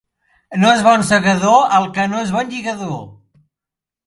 No és bon segador el que no és bon lligador.